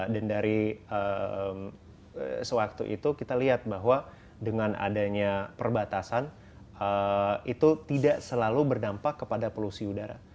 dan dari sewaktu itu kita lihat bahwa dengan adanya perbatasan itu tidak selalu berdampak kepada polusi udara